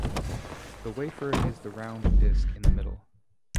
The wafer is the round disc in the middle.